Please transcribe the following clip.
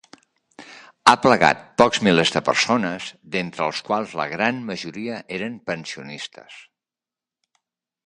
Ha aplegat pocs milers de persones, d'entre els quals la gran majoria eren pensionistes.